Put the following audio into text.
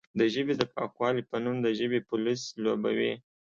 د ژبې د پاکوالې په نوم د ژبې پولیس لوبوي،